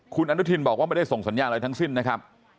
คุณอนุทินบอกว่าไม่ได้ส่งสัญญาณอะไรทั้งสิ้นนะครับ